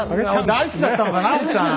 大好きだったのかな奥さん。